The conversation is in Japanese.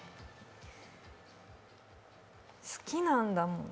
好きなんだもん。